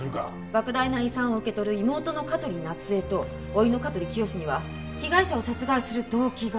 莫大な遺産を受け取る妹の香取夏江と甥の香取清には被害者を殺害する動機がある。